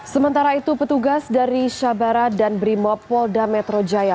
sementara itu petugas dari syabara dan brimopolda metro jaya